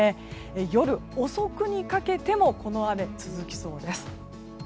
夜遅くにかけてもこの雨は続きそうです。